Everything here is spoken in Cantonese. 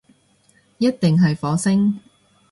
一定係火星